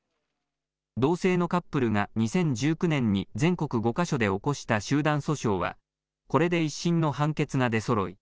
同性のカップルが２０１９年に全国５か所で起こした集団訴訟はこれで１審の判決が出そろい